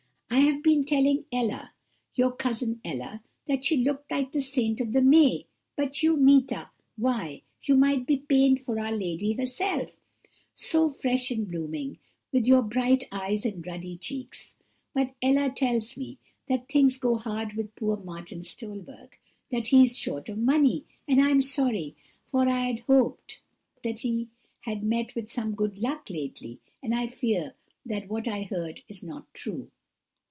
I have been telling Ella, your cousin Ella, that she looked like the saint of the May. But you, Meeta, why, you might be painted for our Lady herself so fresh and blooming, with your bright eyes and ruddy cheeks. But Ella tells me that things go hard with poor good Martin Stolberg that he is short of money; and I am sorry, for I hoped that he had met with some good luck lately, and I fear that what I heard is not true.'